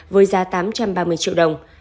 với giá tám trăm ba mươi triệu đồng